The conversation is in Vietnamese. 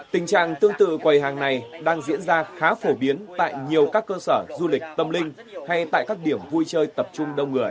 tình trạng tương tự quầy hàng này đang diễn ra khá phổ biến tại nhiều các cơ sở du lịch tâm linh hay tại các điểm vui chơi tập trung đông người